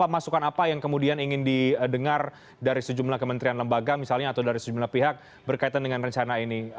masukan apa yang kemudian ingin didengar dari sejumlah kementerian lembaga misalnya atau dari sejumlah pihak berkaitan dengan rencana ini